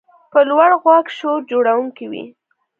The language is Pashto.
په لوړ غږ شور جوړونکی وي.